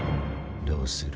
どうする？